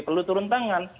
perlu turun tangan